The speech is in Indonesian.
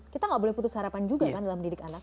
kita nggak boleh putus harapan juga kan dalam mendidik anak